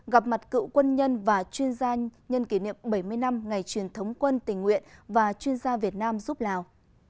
gặp mặt cựu quân nhân và chuyên gia nhân kỷ niệm bảy mươi năm ngày truyền thống quân tình nguyện và chuyên gia việt nam giúp lào